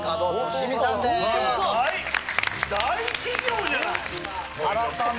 大大企業じゃない！